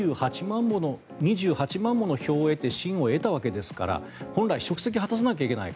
２８万もの票を得て信を得たわけですから本来は職責を果たさないといけない。